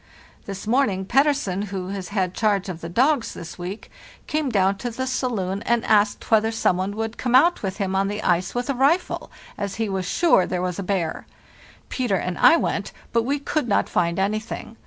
This morning Pettersen, who has had charge of the dogs this week, came down to the saloon and asked whether some one would come out with him on the ice with a rifle, as he was sure there was a bear. Peter and I went, but we could not find anything.